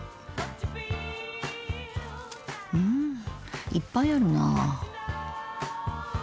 うんいっぱいあるなあ。